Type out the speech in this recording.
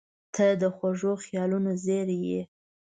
• ته د خوږو خیالونو زېری یې.